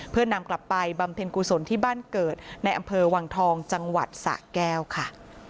เพื่อนำกลับไปบำเพ็ญกุศลที่บ้านเกิดในอำเภอวังทองจังหวัดสะแก้วค่ะ